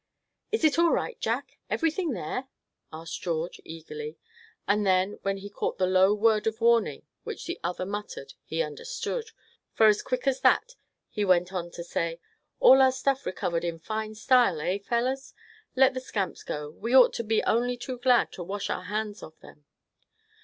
"Is it all right, Jack; everything there?" asked George, eagerly; and then, as he caught the low word of warning which the other muttered he understood; for as quick as that he went on to say: "All our stuff recovered in fine style, eh, fellows? Let the scamps go; we ought to be only too glad to wash our hands of them."